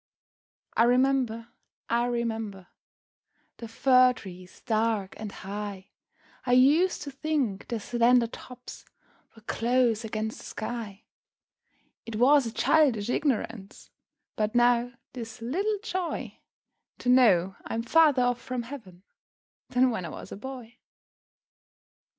I remember, I remember, The fir trees dark and high; I used to think their slender tops Were close against the sky: It was a childish ignorance, But now 'tis little joy To know I'm farther off from Heav'n Than when I was a boy.